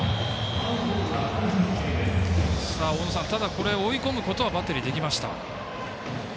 これ、追い込むことはバッテリーできました。